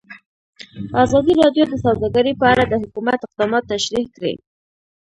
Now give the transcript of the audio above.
ازادي راډیو د سوداګري په اړه د حکومت اقدامات تشریح کړي.